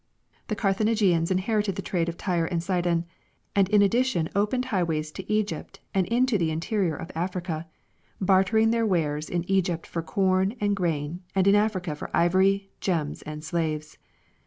The Carthagenians inherited the trade of Tyre and Sidon, and in addition opened highways to Egypt and into the interior of Africa, bartering their wares in Egypt for corn and grain and in Africa for ivory, gems and slaves.